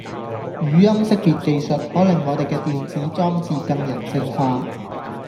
語音識別技術可令我地既電子裝置更人性化